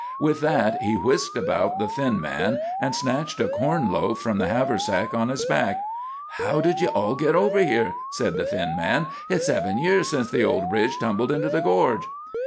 With that he whisked about the thin man, and snatched a corn loaf from the haversack on his back. "How did you all ever git here?" said the thin man. "Hit's seven year since the old bridge tumbled into the gorge."